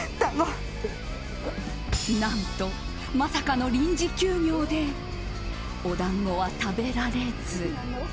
何と、まさかの臨時休業でお団子は食べられず。